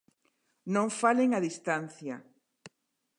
Non falen a distancia.